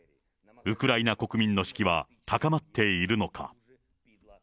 ウクライナ国民の士気は高まっているのか。